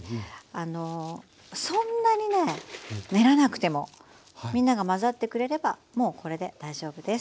あのそんなにね練らなくてもみんながまざってくれればもうこれで大丈夫です。